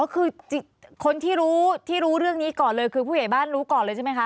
คือคนที่รู้ที่รู้เรื่องนี้ก่อนเลยคือผู้ใหญ่บ้านรู้ก่อนเลยใช่ไหมคะ